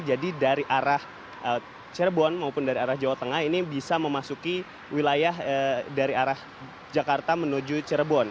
jadi dari arah cirebon maupun dari arah jawa tengah ini bisa memasuki wilayah dari arah jakarta menuju cirebon